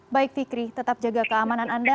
baik fikri tetap jaga keamanan anda